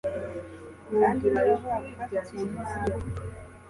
Kandi niba avuga gufata ikintu nabi